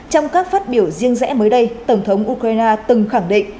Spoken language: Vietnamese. trong các phát biểu riêng rẽ mới đây tổng thống ukraine từng khẳng định